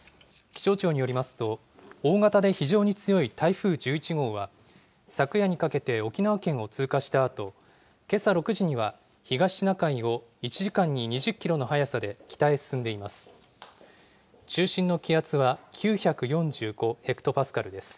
気象庁によりますと、大型で非常に強い台風１１号は、昨夜にかけて沖縄県を通過したあと、けさ６時には東シナ海を１時間に２０キロの速さで北へ進んでいます。